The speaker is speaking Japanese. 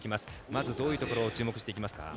まずどういうところを注目していきますか？